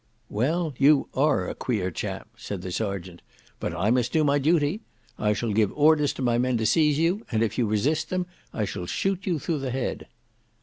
"Well you are a queer chap," said the serjeant; "but I must do my duty. I shall give orders to my men to seize you, and if you resist them, I shall shoot you through the head."